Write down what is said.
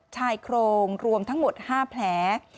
ชายโครงรวมทั้งหมด๕แผล